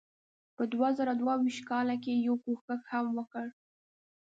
په دوه زره دوه ویشت کال کې یې یو کوښښ هم وکړ.